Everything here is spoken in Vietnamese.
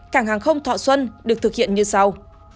cảng hàng không thọ xuân được thực hiện như sau